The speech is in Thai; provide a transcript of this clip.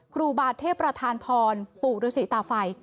ครูบาเทพประธานพรปู่ฤษีตาไฟ